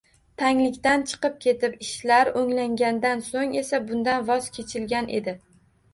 Tanglikdan chiqib ketib, ishlar o‘nglangandan so‘ng esa bundan voz kechilgan edi.